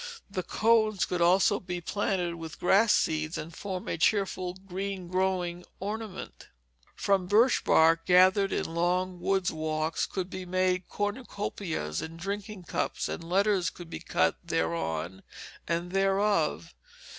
The cones could also be planted with grass seeds, and form a cheerful green growing ornament. [Illustration: Leaf Boats made from Flower de luce] From birch bark gathered in long wood walks could be made cornucopias and drinking cups, and letters could be cut thereon and thereof.